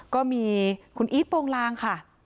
ก็มีคุณอีทโปรงลางค่ะ